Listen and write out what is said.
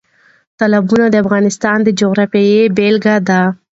تالابونه د افغانستان د جغرافیې بېلګه ده.